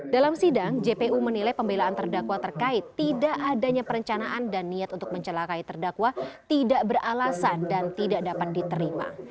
dalam sidang jpu menilai pembelaan terdakwa terkait tidak adanya perencanaan dan niat untuk mencelakai terdakwa tidak beralasan dan tidak dapat diterima